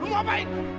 lu mau apa